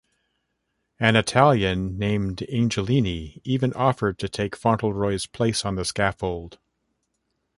An Italian named Angelini even offered to take Fauntleroy's place on the scaffold.